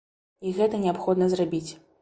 І гэта неабходна зрабіць.